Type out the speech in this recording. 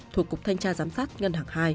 thuộc cục thanh tra giám sát ngân hàng hai